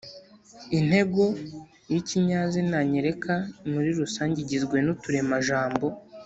intego y’ikinyazina nyereka muri rusange igizwe n’uturemajambo